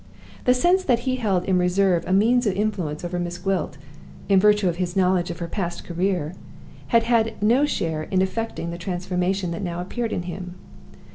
The sense that he held in reserve a means of influence over Miss Gwilt, in virtue of his knowledge of her past career, had had no share in effecting the transformation that now appeared in him.